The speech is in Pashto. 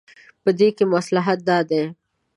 په دې کې مصلحت دا دی.